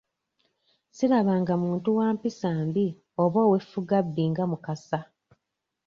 Sirabanga muntu wa mpisa mbi oba ow'effugabbi nga Mukasa.